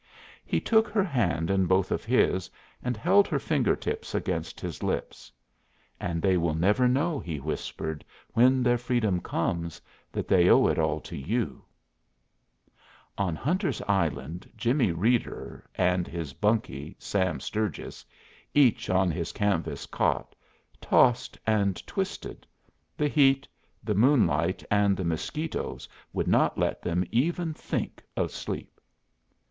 He took her hand in both of his and held her finger tips against his lips. "And they will never know," he whispered, "when their freedom comes, that they owe it all to you." On Hunter's Island Jimmie Reeder and his bunkie, Sam Sturges, each on his canvas cot, tossed and twisted. The heat, the moonlight, and the mosquitoes would not let them even think of sleep.